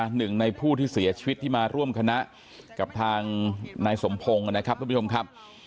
หนึ่งในผู้ที่เสียชีวิตที่มาร่วมคณะกับทางนายสมพงศ์นะครับทุกผู้ชมครับ